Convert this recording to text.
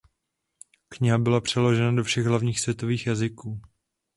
Kniha byla přeložena do všech hlavních světových jazyků.